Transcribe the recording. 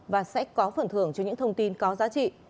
và sẽ có phần thưởng cho những thông tin có giá trị